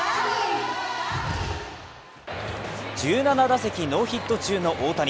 １７打席ノーヒット中の大谷。